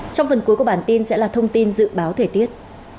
trong phần cuối của bản tin sẽ là thông tin dự báo thời tiết